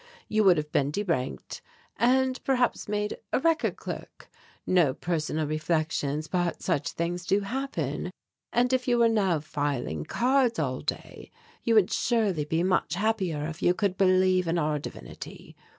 You would have been deranked and perhaps made a record clerk no personal reflections, but such things do happen and if you now were filing cards all day you would surely be much happier if you could believe in our divinity.